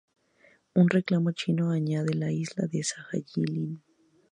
Un reclamo chino añade la isla de Sajalín.